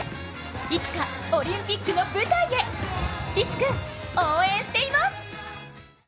いつかオリンピックの舞台へ、利津君、応援しています！